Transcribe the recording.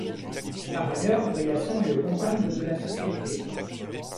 Par ailleurs, Briasson est le comptable de la société.